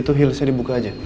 itu healt saya dibuka aja